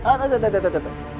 oh tunggu tunggu tunggu